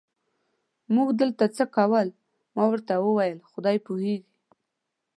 موټر دلته څه کول؟ ما ورته وویل: خدای پوهېږي.